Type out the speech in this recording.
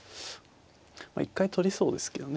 まあ一回取りそうですけどね。